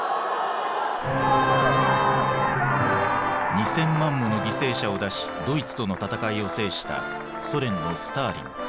２，０００万もの犠牲者を出しドイツとの戦いを制したソ連のスターリン。